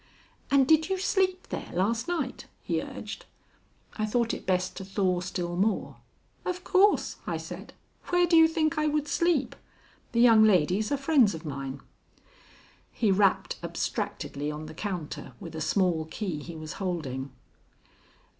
"And did you sleep there last night?" he urged. I thought it best to thaw still more. "Of course," I said. "Where do you think I would sleep? The young ladies are friends of mine." He rapped abstractedly on the counter with a small key he was holding.